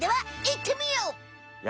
やってみようか。